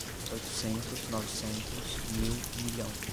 Oitocentos, novecentos, mil, um milhão